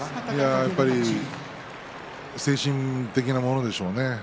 やはり精神的なものでしょうね。